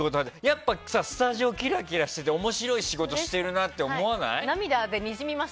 やっぱスタジオキラキラしてて面白い仕事してるなって思わない？